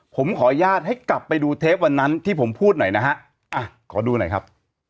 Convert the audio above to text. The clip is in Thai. ผมขออนุญาตให้กลับไปดูเทปวันนั้นที่ผมพูดหน่อยนะฮะอ่ะขอดูหน่อยครับ